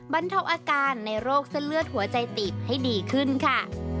บรรเทาอาการในโรคเส้นเลือดหัวใจตีบให้ดีขึ้นค่ะ